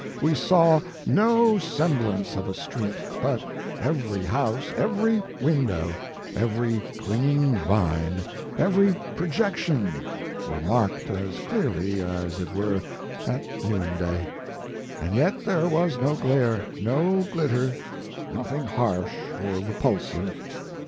We saw no semblance Mark Twain of a street, but every house, every window, every clinging vine, every projection were marked as clearly as it were at noonday; and yet there was no glare, no glitter, nothing harsh or repulsive.